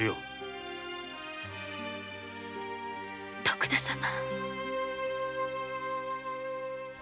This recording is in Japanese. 徳田様。